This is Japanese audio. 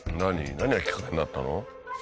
何がきっかけになったの？